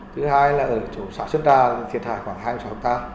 thứ hai là ở chỗ xã sơn trà thiệt hài khoảng hai mươi hectare